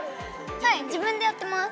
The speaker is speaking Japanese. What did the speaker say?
はい自分でやってます。